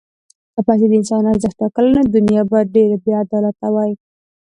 که پیسې د انسان ارزښت ټاکلی، نو دنیا به ډېره بېعدالته وای.